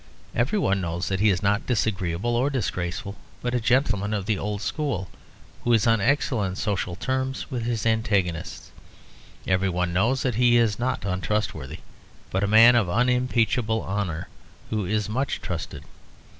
Everyone knows that he is not disagreeable or disgraceful, but a gentleman of the old school who is on excellent social terms with his antagonists. Everyone knows that he is not untrustworthy, but a man of unimpeachable honour who is much trusted.